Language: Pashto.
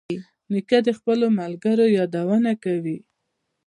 نیکه د خپلو ملګرو یادونه کوي.